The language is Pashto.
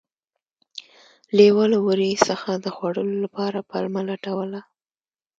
لیوه له وري څخه د خوړلو لپاره پلمه لټوله.